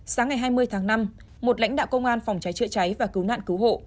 sáng ngày hai mươi tháng năm một lãnh đạo công an phòng cháy chữa cháy và cứu nạn cứu hộ